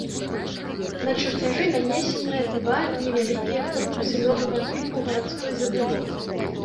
На чарцяжы нанесеныя два невялікія корпусы новага тыпу гарадской забудовы.